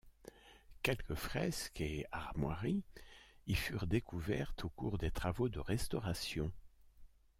Quelques fresques et armoiries y furent découvertes au cours des travaux de restauration.